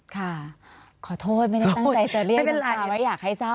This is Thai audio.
ขอโทษไม่ได้ตั้งใจจะเรียกเวลาว่าอยากให้เศร้า